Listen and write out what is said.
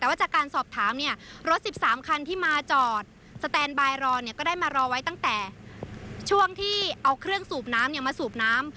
แต่ว่าจากการสอบถามเนี่ยรถ๑๓คันที่มาจอดสแตนบายรอเนี่ยก็ได้มารอไว้ตั้งแต่ช่วงที่เอาเครื่องสูบน้ำมาสูบน้ำ